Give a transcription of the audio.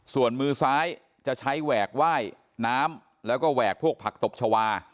ส่วนมือซ้ายจะใช้แหวกว่ายน้ำแล้วก็แหวกพวกผักตบชาวา